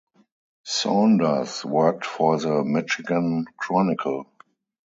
Saunders worked for the "Michigan Chronicle".